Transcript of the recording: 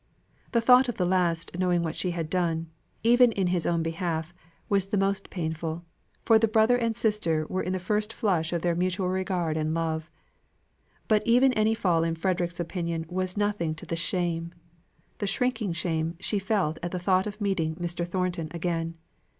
The thought of the last knowing what she had done, even in his own behalf, was the most painful, for the brother and sister were in the first flush of their mutual regard and love; but even any fall in Frederick's opinion was as nothing to the shame, the shrinking shame she felt at the thought of meeting Mr. Thornton again.